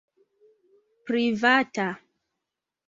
Privata.